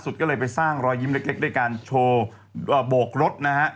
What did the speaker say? สุดก็เลยไปสร้างรอยยิ้มเล็กด้วยการโชว์โบกรถนะฮะ